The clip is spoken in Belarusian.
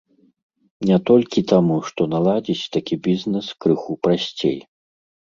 Не толькі таму, што наладзіць такі бізнес крыху прасцей.